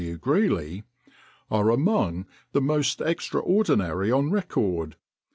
W. Greely, "are among the most extraordinary on record.